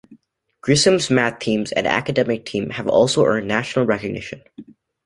Grissom's math teams and academic team have also earned national recognition.